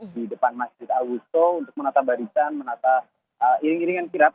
di depan masjid al wusto untuk menata barisan menata iring iringan kirap